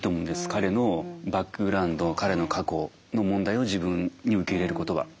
彼のバックグラウンド彼の過去の問題を自分に受け入れることは。